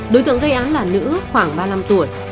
đối tượng gây án là nữ khoảng ba mươi năm tuổi